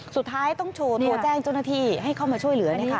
สุดท้ายต้องโชว์โทรแจ้งเจ้าหน้าที่ให้เข้ามาช่วยเหลือ